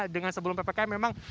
dengan sebelum ppkm memang